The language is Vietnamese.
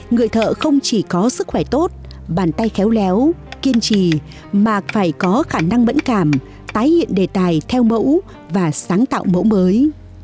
người thợ không chỉ có sức khỏe tốt bàn tay khéo léo kiên trì mà phải có khả năng mẫn cảm tái hiện đề tài theo mẫu và sáng tạo mẫu mới